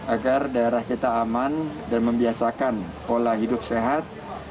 agar daerah kita aman dan membiasakan pola hidup sehat